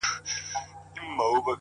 ژمنتیا د موخې او عمل پُل دی،